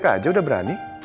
kajeng udah berani